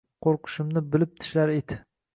Qo’rqishimni bilib tishlar it.